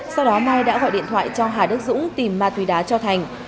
sau đó mai đã gọi điện thoại cho hà đức dũng tìm ma túy đá cho thành